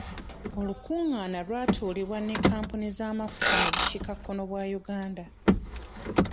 Olukungana lwatuulibwa ne kampuni z'amafuta mu bukiika kkono bwa Uganda.